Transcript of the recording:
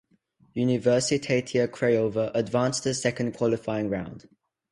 Universitatea Craiova advanced to the second qualifying round.